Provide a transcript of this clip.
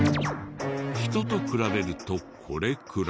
人と比べるとこれくらい。